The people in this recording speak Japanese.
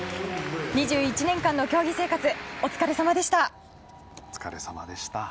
２１年間の競技生活お疲れさまでした。